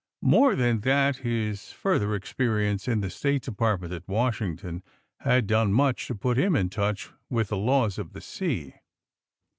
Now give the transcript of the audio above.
More than that, his further experience in the State Department at Wasliington had done much to put him in touch with the laws of the sea.